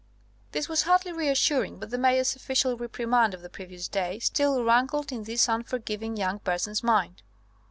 This was hardly reassuring, but the Mayor's official reprimand of the previous day still rankled in this unforgiving young person's mind.